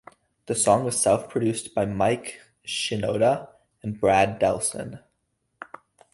The song was self-produced by Mike Shinoda and Brad Delson.